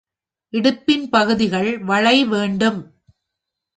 இடுப்பின் பகுதிகள் வளை வேண்டும்.